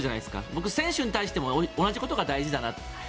僕、選手に対しても同じことが大事だなって。